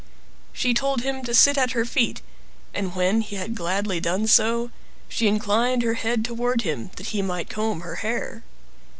She told him to sit at her feet, and when he had gladly done so, she inclined her head toward him, that he might comb her hair.